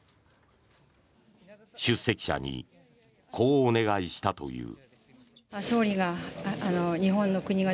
出席者にこうお願いしたという。